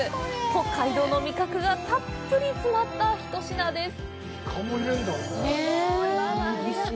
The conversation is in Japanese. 北海道の味覚がたっぷり詰まった一品です。